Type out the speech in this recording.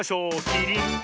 キリン！